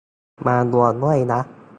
มารวมด้วยนะ